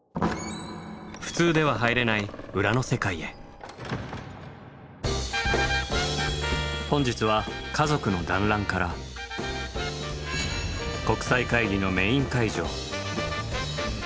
普通では入れない本日は家族の団らんから国際会議のメイン会場。